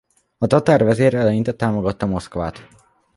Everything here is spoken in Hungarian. A tatár vezér eleinte támogatta Moszkvát.